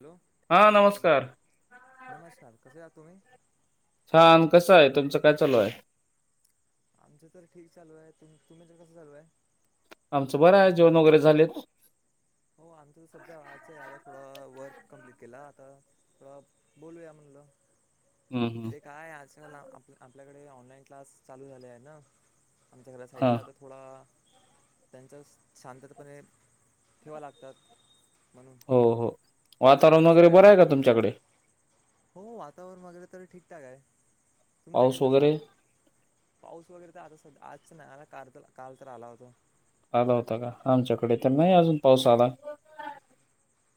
Hello हा नमस्कार नमस्कार, कसे आहात तुम्ही? छान, कसं आहे तुमचं काय चालू आहे? आमचं तर ठीक चालू आहे, तुम्ही तर कसं चालू आहे? आमचं बरं आहे जेवण वगैरे झालेत. हो आमच तर सध्या आच आहे, आता थोडा वर. कम्प्लीट केला, आता थ बोलूया म्हणलं, हम्म, हम्म. ते काय आजकाल आप आपल्याकडे ऑनलाईन क्लास चालू झाले आहे ना, आमच्या घरा हा साईडला तर थोडा त्यांचा शांततापणे ठेवा लागतात म्हणून. हो हो तुमच्या इकडे वातावरण कसं वगैरे काय बरं आहे का तुमच्याकडे? हो वातावरण वगैरे तरी ठीकठाक आहे. पाऊस तुमच्याकडे कस आहे? वगैरे पाऊस वगैरे तर आता आज आला नसेल, काल तर काल तर आला होता. आला होता का, आमच्याकडे तर नाही हो अजून पाऊस आला.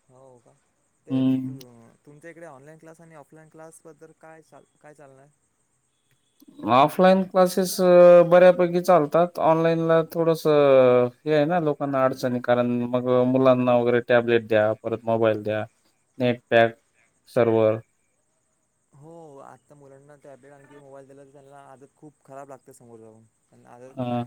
हो का ते त हम्म तुमचे एक तिकडे ऑनलाईन क्लास आणि ऑफलाईन क्लास बद्दल काय ल काय चालय? ऑफलाईन क्लासेस बऱ्यापैकी चालतात, ऑनलाईनला थोडस हे आहे ना लोकांना अडचणी, कारण मग मुलांना वगैरे टॅबलेट द्या, परत मोबाईल द्या. नेटपॅक सरोवर. हो आत्ता मुलांना टॅबलेट आणखी मोबाईल दिला तर त्यांना, आज खूप खराब लागते समोर जाऊन. आणि आदत हा.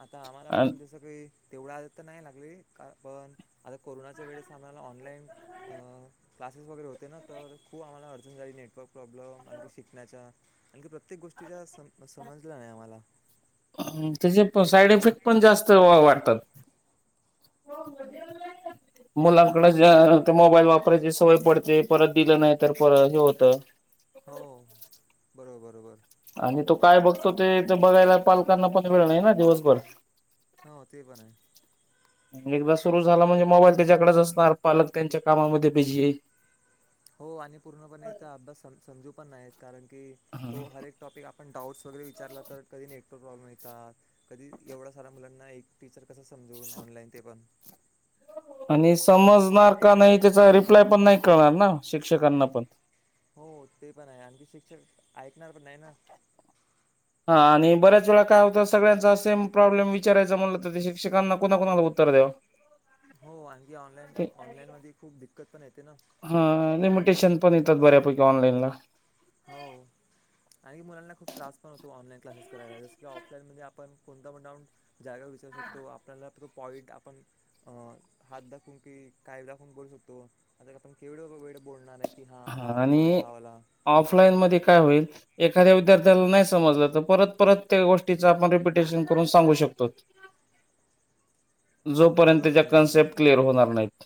आता आम्हाला पण जसं काही. तेवढं आ तर नाही लागले, पण आता कोरोनाच्या वेळेस आम्हाला ऑनलाईन क्ला स वगैरे होते ना तर, खूप आम्हाला अडचन झाली, नेटवर्क प्रॉब्लेम आणकी शिकण्याच्या आणखी प्रत्येक गोष्टीचा सम समजला नाही आम्हाला. त्याचे पण साईड इफेक्ट पण जास्त वाटतात. काय मुलांकड म्हणलं ते मोबाईल वापरायची सवय पडते, परत दिलं नाही तर पर हे होतं. हो बरोबर-बरोबर. आणि तो काय बघतो, ते बघायला पालकांना पण वेळ नाही ना दिवसभर. हो ते पण आहे. एकदा सुरु झाला म्हणजे मोबाईल त्याच्याकडेच असणार, पालक त्यांच्या कामामध्ये बीजी. हो आणि पूर्णपणे इथ अभ्यास समजू पण नाही येत कारण की तो हर एक टॉपिक आपण डाऊट्स वगैरे विचारला तर कधी नेटवर्क प्रॉब्लेम येतात कधी एवढा सारा मुलांना एक टीचर कसा समजवून ऑनलाईन ते पण आणि समजणार का नाही त्याचा रिप्लाय पण नाही कळणार ना शिक्षकांना पण हो ते पण आहे आणखी शिक्षक ऐकणार पण नाही ना हा आणि बऱ्याच वेळा काय होत सगळ्यांचा सेम प्रॉब्लेम विचारायचा म्हणलं तर शिक्षकांना कोणाकणाला उत्त - [unintelligible] हो आणखी ऑनलाईन ऑनलाईन मध्ये खूप दिक्कत पण येते ना हा लिमिटेशन पण येतात बऱ्यापैकी ऑनलाईनला हो अनेक मुलांना खूप त्रास पण होतो ऑनलाईन क्लासेस करायला जस की ऑफलाईन मध्ये आपण कोणता पण डाउट जागेवर विचारू शकतो आपला पॉइंट आपण अ हात दाखवून कि काय दाखवून करू शकतो आता आपण केवढ वेळ बोलणार आहे की हां हा वाला पॉईंट आणि हा वाला ऑफलाईन मध्ये - काय होईल विद्यार्थ्याला नाही समजलं तर परत त्या गोष्टी आपण रिपीटेशन करून सांगू शकतो शकतो च [inaudible] हो बरोबर जोपर्यंतच्या म्हणलं तुम्ही. कन्सेप्ट क्लिअर होणार नाहीत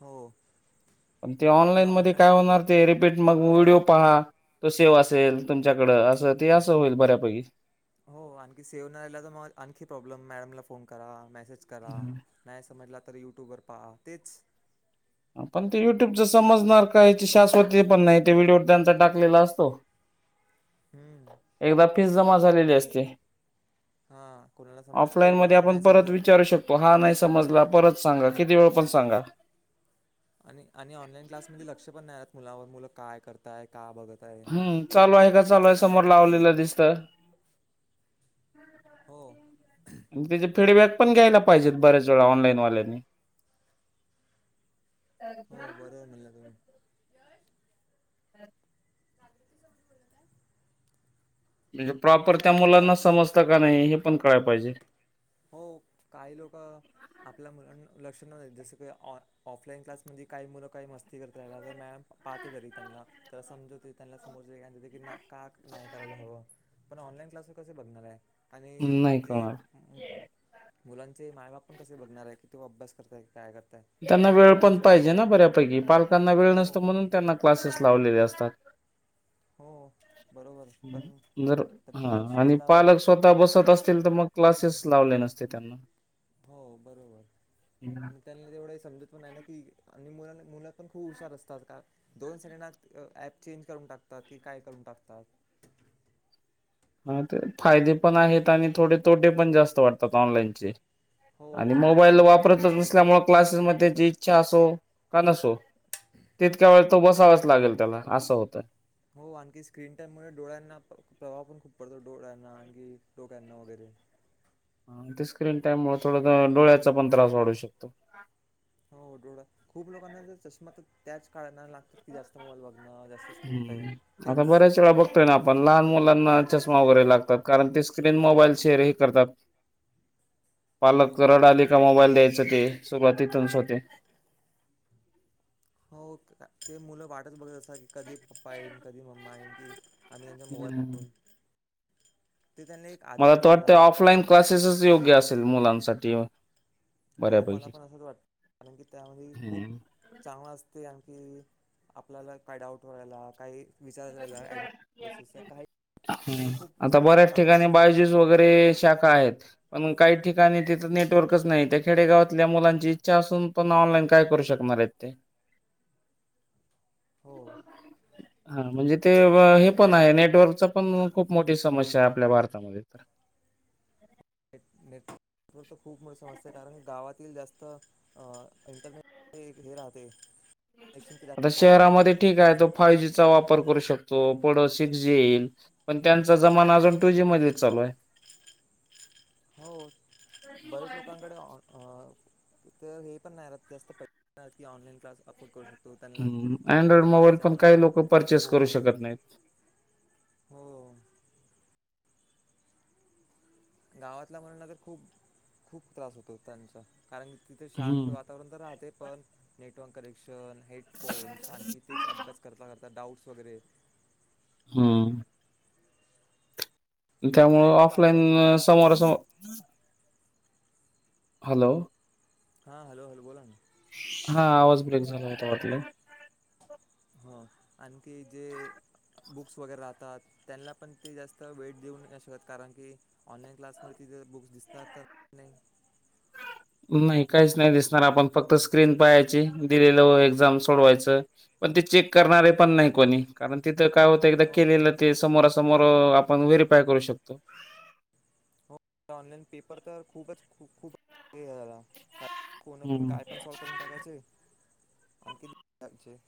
हो पण ते ऑनलाईन मध्ये फोनवर ते व्हिडिओ पहा तो सेव असेल तुमच्याकड हो आणखी सेव्ह नाही राहिला तर म आणखी प्रॉब्लेम मॅडमला फोन करा मेसेज करा नाही समजला तर युट्यूबवर पहा तेच पण ते युट्यूबच समजणार काय याची शाश्वती पण नाही ते व्हिडिओ त्यांचा टाकलेला असतो [inaudible] हम्म. एकदा फीस जमा झालेली असते हां कोणाला समजते ऑफलाईन मधे कोणाला आपण नाही परत समजत. विचारू शकतो हा नाही समजला परत - सांगा किती वेळा पण सांगा आणि आणि ऑनलाईन क्लासमध्ये लक्ष पण नाही राहत मुलावर मुलं काय करताय का बघत आहे हम्म चालू आहे का चालू आहे समोर लावलेलं दिसत आणि हो त्याचे फीडबॅक पण घ्यायला पाहिजेत बर्याच वेळा ऑनलाईन वाल्यांनी हो बरो म्हणला तुम्ही [unintelligible] बोलत आहे म्हणजे प्रॉपर त्या मुलांना समजतं का नाही हे पण कळाय पाहिजे हो काही लोक आपल्या मुलां [unintelligible] लक्ष नाही देत जसं की ऑ ऑफलाईन क्लास म्हणजे काही मुलं काही मस्ती करत राला तर मॅडम पाहते तरी त्यांना तर समजवते त्यांना समोर [unintelligible] का क नाही करायला हवं पण ऑनलाईन क्लास कस बघणार आहे आणि नाही त्यांचे कळणार. मुलांचे माय बाप पण कसे बघणार आहे की तू अभ्यास करताय की काय करता त्यांना वेळ पण पाहिजे ना बऱ्यापैकी पालकांना वेळ नसतो हो म्हणून त्यांना क्लासेस लावलेले असतात हो बरोबर पण जर तरी पण हा लक्ष आणि द्यायला हवं पालक स्वतः बसत असतील तर मग क्लासेस लावले नसते त्यांना हो बरोबर आणि त्यांनी तेवढं समजत पण ना की आणि मुलाना मुलं पण खूप हुशार असतात का दोन सेकंडात ऍप चेंज करून टाकतात की काय करून टाकतात [inaudible] हा ते फायदे पण आहेत आणि थोडे तोटे पण जास्त वाटतात ऑनलाईनचे हो आणि मोबाईल ऑनलाईन वापरतच नसल्यामुळे क्लासेसमध्ये जी इच्छा असो का नसो तितक्या वेळ तो बसावाच लागेल त्याला असं होतं हो आणखी स्क्रीन टाइम मुळे डोळ्यांना प्रवााह पण खूप परत डोळ्यांना आणि डोक्यांना वगैरे ते स्क्रीन टाइम मोतीबिंदू, थोडास डोळ्याचा पण त्रास वाढू शकतो. हो डोळा, खूप लोकांना चषमा तर त्याच कारणाने लागतात. की जास्त मोबाईल बघणं जास्त स्क्रीन टाईम ह् आता तेच बऱ्याच वेळा बघतोय ना आपण लहान. मुलांना चष्मा वगैरे लागतात, कारण ते स्क्रीन मोबाईल शेर ह करतात. पालक हो रडाले का मोबाईल द्यायचं ते, सुरवात तिथूनच होते. हो ते मुलं वाटच बघत असतात की कधी पप्पा येईन, कधी मम्मा येईन की. आम्ही त्यांच्या हम्म. मोबाईलवरून मला तर वाटतं राहते ऑफलाईन क्लासेसच योग्य असेल मुलांसाठी. हो मला बऱ्यापैकी. पण असंच वाटत, कारण की त्यामध्ये खूप हम्म. चांगला असते आणखी आपल्याला काय डाऊट व्हा, काही विचारयला प्रसेस काही. ह ते खूप आता विचारायला खूप बऱ्याच चांगलं ठिकाणी असतं बायजूस वगैरे शाखा आहेत. पण काही ठिकाणी तिथं नेटवर्कच नाही, त्या खेडेगावातल्या मुलांची इच्छा असून पण ऑनलाईन काय करू शकत मरेत [unintelligible] हो हा म्हणजे ते हे पण आहे, नेटवर्कचा पण खूप मोठी समस्या आहे आपल्या भारतामध्ये. खूप मोठी समस्या, कारण गावातील जास्त. अ इंटरनेट एक हे राहते. कनेक्शन जास्त आता राहत नाही ना शहरामध्ये ठीक आहे, तो फायजीचा वापर करू शकतो. सिक्स जी येईल, पण त्यांचा जमाना अजून टू. जी. मध्ये चालू आहे. हो बरेच लोकांकडे अ तर हे पण नाही रा जास्त पहि की ऑनलाईन क्लास अपलोड करू. त्यांना हम्म चांगला अँड्रॉइड मोबाईल पण चांगला काही लोक परचेस करू हेडफोन शकत नाहीत. हो. गावातल्या मुलांना तर खूप-खूप त्रास होतो त्यांचा. कारण क तिथे शांत हम्म वातावरण तर राहते पण नेटवर्क कनेक्शन हेडफोन् आणखी तेच अभ्यास करता करता डाउट्स वगैरे हम. त्यामुं त्यांच्याच खूप त्रास राहतो ऑफलाईन समोर समो हॅलो. हा हॅलो हॅलो बोला ना. हा आवाज ब्रेक झाला होता वाटल. हो आणखी जे बुक्स वगैरे राहतात त्यांना पण ते जास्त वेळ देऊन शकत कारण की ऑनलाईन क्लास... बुक्स दिसत तर नाही... नाही काहीच नाही दिसणार आपण फक्त स्क्रीन पाहायची दिलेल एक्झाम सोडवायचं. पण ते चेक करणारे पण नाही कोणी कारण तिथं काय होत एकदा हो केलेलं ते समोरासमोर आपण व्हेरिफिकेशन.... काय करू शकतो. हो ऑनलाइन पेपर तर खूपच खूप... कोणी पण हं, काय पण सॉल्व करून टाकायचे... आणि कितीचे [inaudible]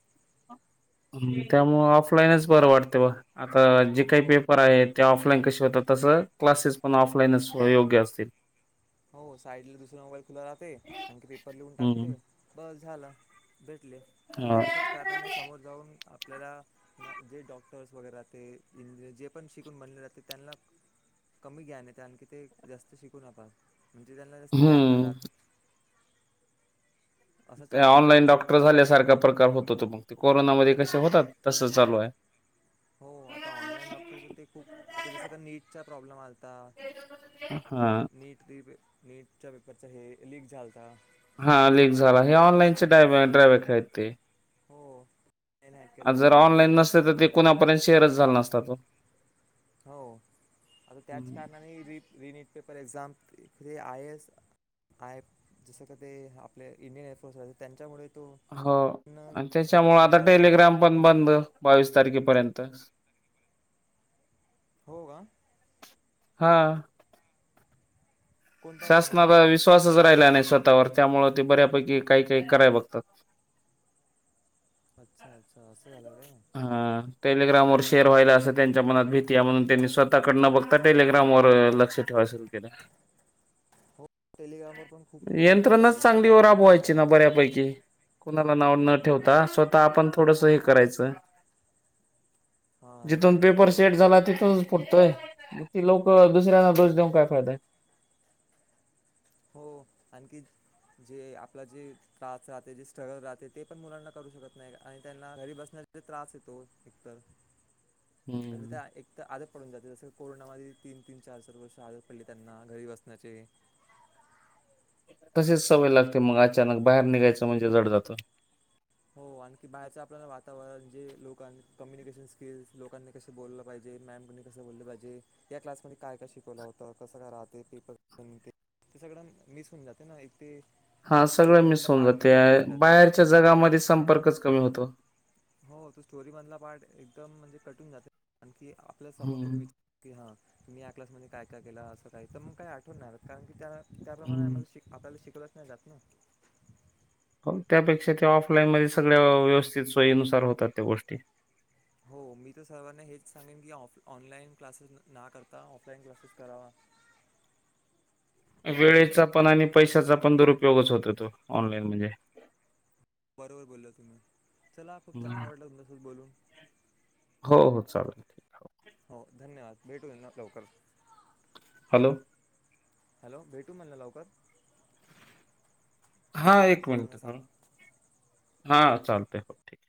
त्यामुळे ऑफलाईनच बरं वाटते बघ आता जे काही हो पेपर आहे ते ऑफ... कशी होतात तस क्लासेस पण ऑफलाईनच योग्य असतील. हो साईडला दुसरा मोबाईल खुला राहते आणखी पेपर लिहून हं, टाकते बस झाल भेट.... आणीखी हां. असेच कारखानने समोर जाऊन.... आपल्याला जे डॉक्टर्स वगैरे राहते इंजिनियर जे पण शिकून बनले जाते त्यांना... कमी ज्ञान येत आणखी ते जास्त शिकून... म्हणजे त्यांना जास्त ज्ञान नाही हं. राहत.... असं ते चालत ऑनलाईन राहतं डॉक्टर समोर झाल्यासारखा प्रकार होत होतो मग. कोरोनामध्ये कसे हो होतात तसं चालू आहे. हो आता ऑनलाईन डॉक्टर ते खूप आता जस का नीटचा प्रॉब्लेम आ... हो हां, नीट नीटच्या पेपरच ही लिक झालता. हा लीक झाला हे ऑनलाईनचे ड्रॉबॅक आहेत ते. हो हे नाही आ केलं जर कारण ऑनलाईन नसते तर ते कुणापर्यंत शेअरच झाला नसतात हो. हो आता त्याच कारणाने रि नीट पेपर एक्झाम... ते आय, ए, एस, आय जसं क ते आपले इंडियन एअरफोर्स राहते त्यांच्यामुळे..... तो हो न आणि त्याच्यामुळे आता दिले जाते टेलिग्राम पण बंद बावीस... तारखेपर्यंत. हो का. हा. कोणत्या कारणाने शासनाला विश्वासच राहिला नाही स्वतः... तावर त्यामुळे ते बऱ्यापैकी काही काही कराय बघतात. अच्छा अच्छा असं झालं काय. हा टेलिग्राम वर शेअर व्हायला असं त्यांच्या मनात भीती आहे म्हणून त्यांनी स्वतःकडे न बघता टेलिग्रामवर.... बरं लक्ष ठेवायला सुरू केलं. हो टेलिग्रामवर पण खूप पेपर लीक होतात यंत्रणाच जसे का चांगली ओ दहावीचे राबवायची ना बारावीचे बऱ्यापैकी कुणाला नाव... न ठेवता स्वतः आपण थोडस हे करायचं. हां जिथून हां पेपर बरोबर सेट बरोबर झाला तिथून फुटतोय. ती लोक दुसऱ्यांना दोष देऊन काय फायदा आहे. हो. आणखी जे आपला जे त्रास राहते जे स्ट्रगल राहते ते पण मुलांना करू शकत नाही आणि.. घरी बसण्या त्रास येतो एक तर आणि आणि हम्म. त्या एकतर जस कोरोना मधे आदत पडून गेली त्यांना तीन, तीन चार, चार वर्ष त्यांना घरी बसण्याचे. तसेच सवय लागते मग अचानक बाहेर निघायचं म्हणजे जड जात. हो आणखी बाहेरच आपल्याला वातावरण जे लोकां कम्युनिकेशन स्किल्स लोकांनी कसे बोललं पाहिजे... मॅम कोणी कस बोललं पाहिजे या क्लासमध्येध्ये काय काय शिकवला होत कसं काय [unintelligible] राहते पेपर... ते सगळं मिस होऊन जाते ना.. ते हा आपला सगळं मिस स्टोरीमधला होऊन पार्ट जाते तो हे होऊन जाते ना बाहेरच्या जगामध्ये संपर्कच कमी होतो. हो तो स्टोरी मधला पार्ट एकदम म्हणजे कटून जात. की आपल्या समोर हम्म कोणी विचार की हा मी या क्समध्ये काय काय केलं असं काय तर मग काय आठवणार कारण की त्याला त्याप्रमाणे हम्म. आम्हाला आपल्याला शिकवलंच नाही जात ना. हो त्यापेक्षा त्या ऑफलाईनमध्ये सगळ्या व्यवस्थित सोयीनुसार होतात त्या गोष्टी. हो. मी तर सर्वांना हेच सांगेन की, ऑफ ऑनलाईन क्लासेस ना करता, ऑफलाईन क्लासेस करावा. वेळेचा पण, आणि पैशाचा पण दुरुपयोगच होतो तो ऑनलाईन म्हणजे. बरोबर बोला तुम्ही, चला खूप हम्म. चांगला वाटला तुमच्यासोबत बोलून. चालाठीक. हो धन्यवाद भेटूना लवकर. हॅलो. हॅलो भेटू म्हणलं लवकर. हो हा एक मिनिट, सर्वांना सांगू हा चालतय हो ठीक आहे.